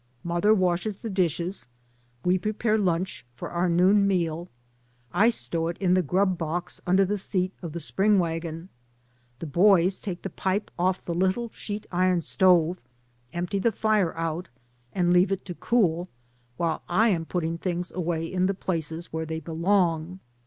Mother washes the dishes, we prepare lunch for our noon meal, I stow it in the grub box under the seat in the spring wagon, the boys take the pipe off the little sheet iron stove, empty the fire out and leave it to cool, while I am putting things away in the places where they belong.